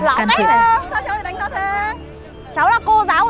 sao bắt lại chửi cháu